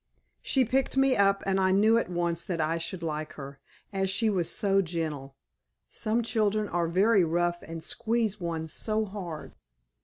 She picked me up and I knew at once that I should like her, as she was so gentle (some children are very rough and squeeze one so hard).